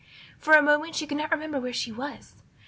For a moment she could not remember where she was.